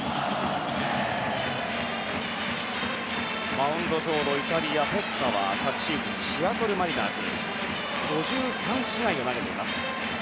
マウンド上のイタリア、フェスタは昨シーズンシアトル・マリナーズで５３試合を投げています。